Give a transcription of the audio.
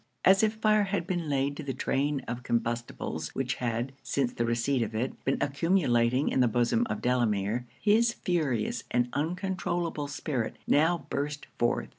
As if fire had been laid to the train of combustibles which had, since the receipt of it, been accumulating in the bosom of Delamere, his furious and uncontroulable spirit now burst forth.